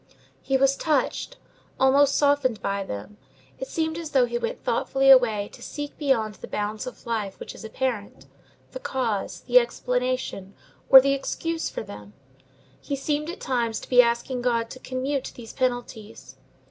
He was touched, almost softened by them. It seemed as though he went thoughtfully away to seek beyond the bounds of life which is apparent, the cause, the explanation, or the excuse for them. He seemed at times to be asking God to commute these penalties.